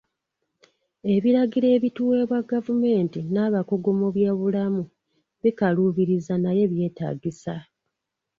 Ebiragiro ebituweebwa gavumenti n'abakugu mu by'obulammu bikaluubiriza naye byetaagisa.